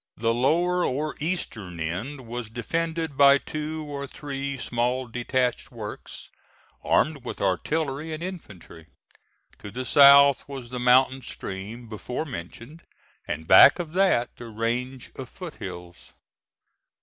The lower or eastern end was defended by two or three small detached works, armed with artillery and infantry. To the south was the mountain stream before mentioned, and back of that the range of foot hills.